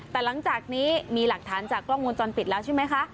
แต่หลังจากนี้มีหลักฐานจากกล้องวงจรปิดแล้วใช่ไหมคะ